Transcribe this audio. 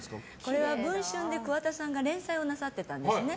これは「文春」で桑田さんが連載をなさってたんですね。